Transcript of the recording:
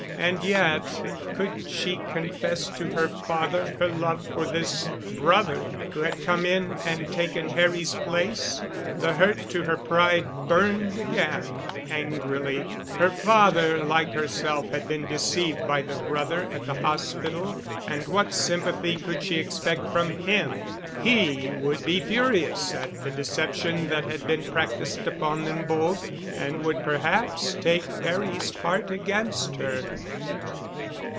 And yet—could she confess to her father her love for this brother who had come in and taken Harry's place? The hurt to her pride burned again angrily. Her father, like herself, had been deceived by the brother at the hospital and what sympathy could she expect from him? He would be furious at the deception that had been practiced upon them both, and would perhaps take Harry's part against her.